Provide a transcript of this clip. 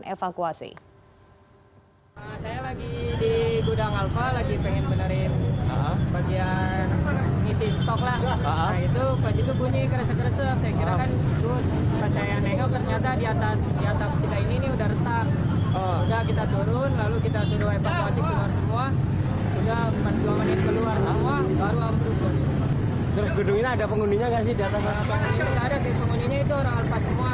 tidak ada sih pengundinya itu orang alfa semua